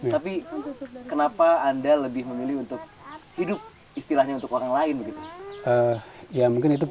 tapi kenapa anda lebih memilih untuk hidup istilahnya untuk orang lain begitu